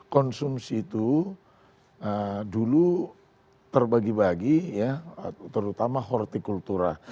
konsumsi itu dulu terbagi bagi ya terutama hortikultura